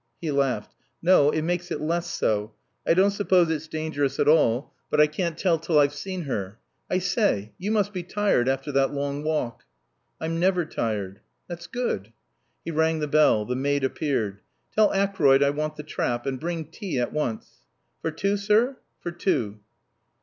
He laughed. "No. It makes it less so. I don't suppose it's dangerous at all. But I can't tell till I've seen her. I say, you must be tired after that long walk." "I'm never tired." "That's good." He rang the bell. The maid appeared. "Tell Acroyd I want the trap. And bring tea at once." "For two, sir?" "For two."